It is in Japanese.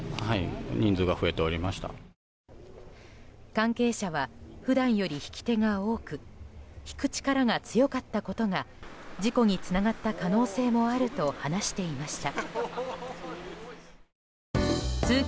関係者は普段より引き手が多く引く力が強かったことが事故につながった可能性もあると話していました。